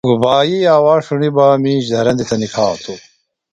گُبھائی آواز ݜُݨی بہ مِیش دھرندیۡ تھےۡ نِکھاتوۡ۔